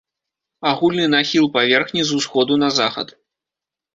Агульны нахіл паверхні з усходу на захад.